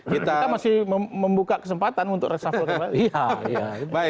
kita masih membuka kesempatan untuk reshuffle kembali